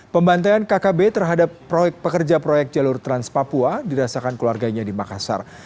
pembantaian kkb terhadap pekerja proyek jalur trans papua dirasakan keluarganya di makassar